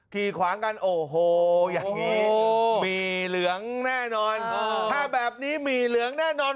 ขี่ขวางกันโอ้โหอย่างนี้หมี่เหลืองแน่นอนถ้าแบบนี้หมี่เหลืองแน่นอน